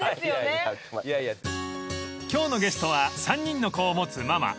［今日のゲストは３人の子を持つママ］